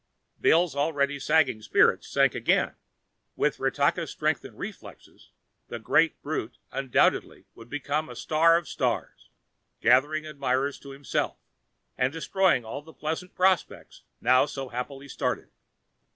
Bill's already sagging spirits sank again. With Ratakka's strength and reflexes, the great brute undoubtedly would become the star of stars, gathering admirers to himself and destroying all the pleasant prospects now so happily started.